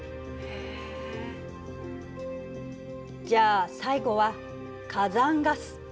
じゃあ最後は火山ガス。